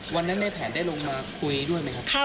วันนั้นในแผนได้ลงมาคุยด้วยไหมครับ